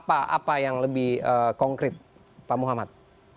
apa yang lebih konkret pak muhammad